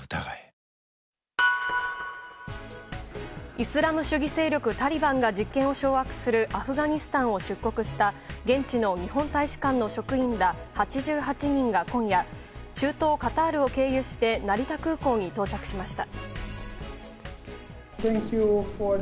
イスラム主義勢力タリバンが実権を掌握するアフガニスタンを出国した現地の日本大使館の職員ら８８人が今夜中東カタールを経由して成田空港に到着しました。